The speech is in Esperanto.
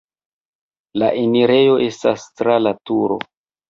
La enirejo estas tra la turo.